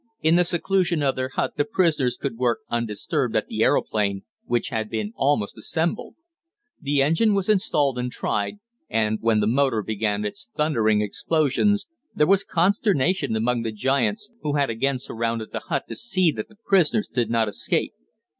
In the seclusion of their hut the prisoners could work undisturbed at the aeroplane, which had been almost assembled. The engine was installed and tried, and, when the motor began its thundering explosions, there was consternation among the giants, who had again surrounded the hut to see that the prisoners did not escape.